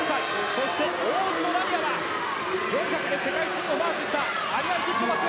そして、オーストラリアは４００で世界新をマークしたアリアン・ティットマス。